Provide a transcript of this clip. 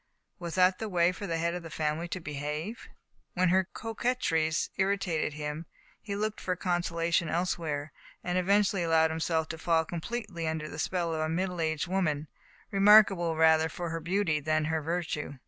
Was that the way for the head' of a family to behave? When her coquetries irritated him, he looked for consola tion elsewhere, and eventually allowed himself to fall completely under the spell of a middle aged woman, remarkable rather for her beauty than her virtue.